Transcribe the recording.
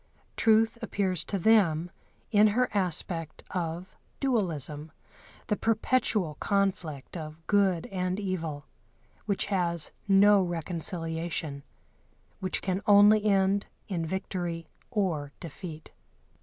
Truth appears to them in her aspect of dualism, the perpetual conflict of good and evil, which has no reconciliation, which can only end in victory or defeat.